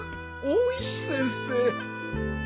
大石先生。